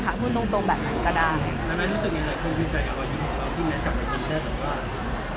แล้วนั้นรู้สึกมีใครคงดีใจกับวันนี้ของเราที่เหมือนกับเป็นคนแทบบ้าน